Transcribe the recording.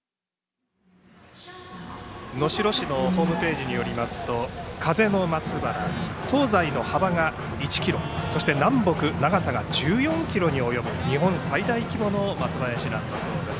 能代市のホームページによりますと風の松原東西の幅が１ｋｍそして南北長さが１４ｋｍに及ぶ日本最大規模の松林だそうです。